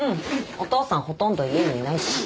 お父さんほとんど家にいないし。